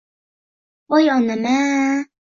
Voy onam-a!